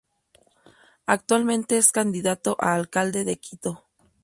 Actualmente es candidato a Alcalde de Quito.